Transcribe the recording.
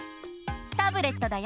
タブレットだよ！